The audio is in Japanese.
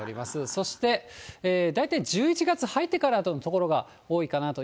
そして、大体１１月入ってからの所が多いかなと。